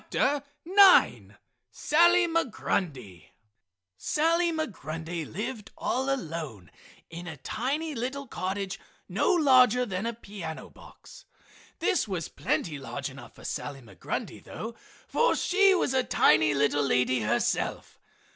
SALLY MIGRUNDY Sally Migrundy lived all alone in a tiny little cottage no larger than a piano box. This was plenty large enough for Sally Migrundy though, for she was a tiny little lady herself.